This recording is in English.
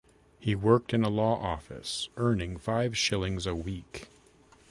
He worked in a law office, earning five shillings a week.